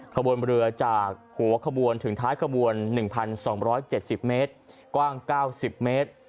ขบวนเรือจากหัวขบวนถึงท้ายขบวน๑๒๗๐เมตรกว้าง๙๐เมตร